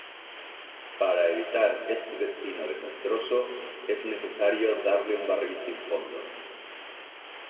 Para evitar este destino desastroso, es necesario darle un barril sin fondo.